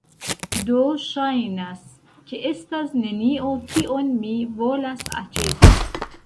Do, ŝajnas, ke estas nenio kion mi volas aĉeti